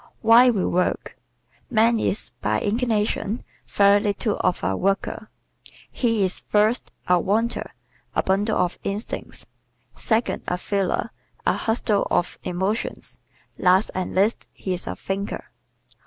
Why We Work ¶ Man is, by inclination, very little of a worker. He is, first, a wanter a bundle of instincts; second, a feeler a bundle of emotions; last and least, he is a thinker.